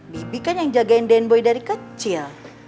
bibi kan yang jagain dan boy dari kecil